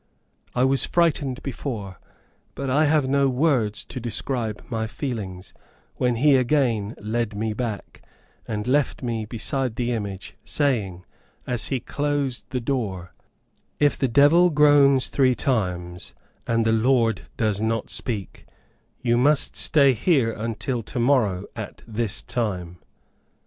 I was frightened before; but I have no words to describe my feelings when he again led me back, and left me beside the image, saying, as he closed the door, "If the devil groans three times, and the Lord does not speak, you must stay here until to morrow at this time."